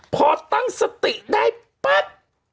พอตั้งสติได้ปั๊บ